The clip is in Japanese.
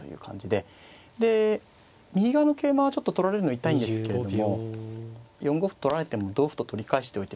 で右側の桂馬はちょっと取られるの痛いんですけれども４五歩取られても同歩と取り返しておいて。